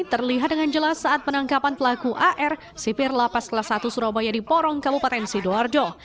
terlihat dengan jelas saat penangkapan pelaku ar sipir lapas kelas satu surabaya di porong kabupaten sidoarjo